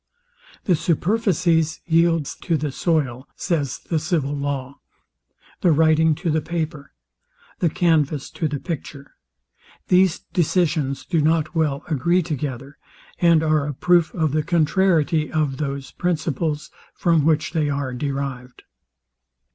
The superficies yields to the soil, says the civil law: The writing to the paper: The canvas to the picture. These decisions do not well agree together, and are a proof of the contrariety of those principles, from which they are derived.